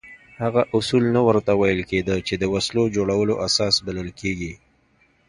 هغه اصول نه ورته ویل کېده چې د وسلو جوړولو اساس بلل کېږي.